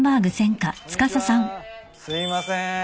すいません。